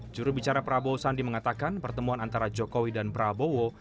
jurubicara prabowo sandi mengatakan pertemuan antara jokowi dan prabowo